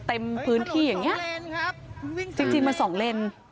เต็มพื้นที่อย่างเงี้จริงมันสองเลน